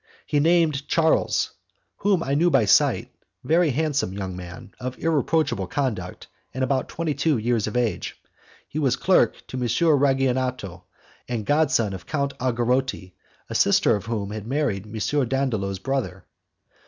He named Charles whom I knew by sight very handsome young man, of irreproachable conduct, and about twenty two years of age. He was clerk to M. Ragionato and god son of Count Algarotti, a sister of whom had married M. Dandolo's brother.